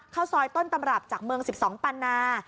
ข้าวซอยต้นตำรับจากเมือง๑๒ปันนา